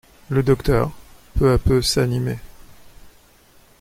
Le docteur, peu à peu, s'animait.